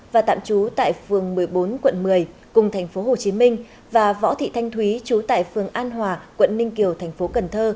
và tạm chú tại phường một mươi bốn quận một mươi cùng tp hcm và võ thị thanh thúy chú tại phường an hòa quận ninh kiều tp cn